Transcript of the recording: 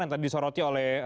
yang tadi disoroti oleh